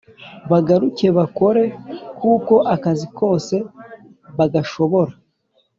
Bahaguruke bakore kuko akazi kose bagashobora”